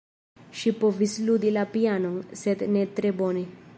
Ŝi povis ludi la pianon, sed ne tre bone.